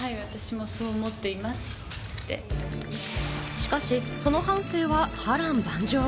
しかし、その半生は波乱万丈。